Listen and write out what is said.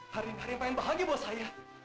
hari ini hari yang paling bahagia buat saya